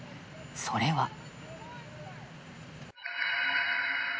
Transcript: それは。